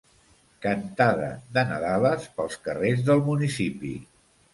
Cantada de nadales pels carrers del municipi.